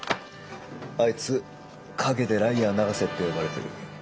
あいつ陰で「ライアー永瀬」って呼ばれてる。